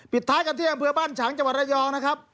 ท้ายกันที่อำเภอบ้านฉางจังหวัดระยองนะครับ